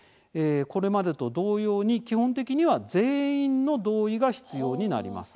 これまでと同様に基本的には全員の同意が必要になります。